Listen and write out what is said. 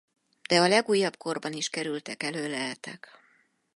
De a legújabb korban is kerültek elő leletek.